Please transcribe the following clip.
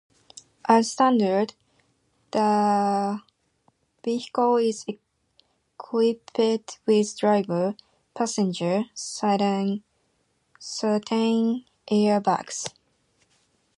As standard, the vehicle is equipped with driver, passenger, side and curtain airbags.